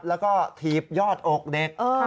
แล้วก็ถีบยอดอกเด็ก